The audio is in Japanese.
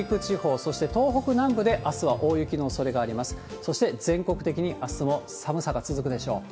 そして全国的にあすも寒さが続くでしょう。